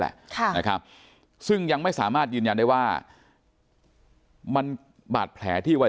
แหละซึ่งยังไม่สามารถยืนยันได้ว่ามันบาดแผลที่ไว้